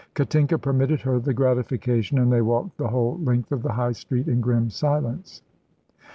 Katinka permitted her the gratification, and they walked the whole length of the High Street in grim silence.